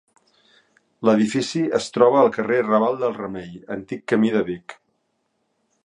L'edifici es troba al carrer Raval del Remei, antic camí de Vic.